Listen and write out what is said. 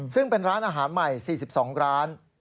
ซึ่งเป็นร้านอาหารใหม่๔๒ร้าน